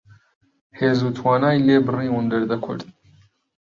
هێز و توانای لێ بڕیوم دەردە کورد